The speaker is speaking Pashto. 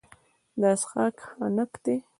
دا څښاک خنک دی.